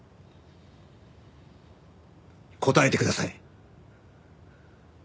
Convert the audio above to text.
答えてください。